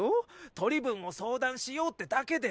取り分を相談しようってだけで。